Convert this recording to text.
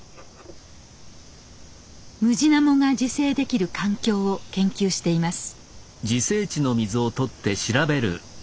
ムジナモが自生できる環境を研究しています。